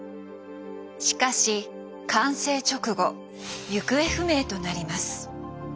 しかし完成直後行方不明となります。